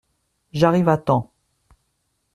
J’arrive à temps.